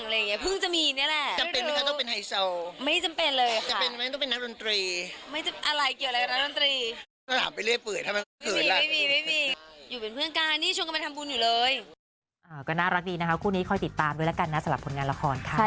แล้วคู่นี้ค่อยติดตามด้วยแล้วกันนะสำหรับผลงานละครค่ะ